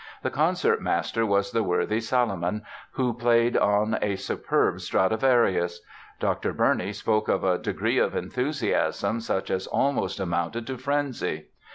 The concertmaster was the worthy Salomon, who played on a superb Stradivarius. Dr. Burney spoke of "a degree of enthusiasm such as almost amounted to frenzy."